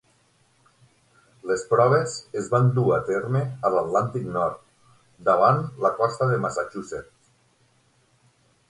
Les proves es van dur a terme a l'Atlàntic Nord, davant la costa de Massachusetts.